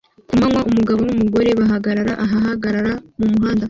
Ku manywa, umugabo n'umugore bahagarara ahagarara mu muhanda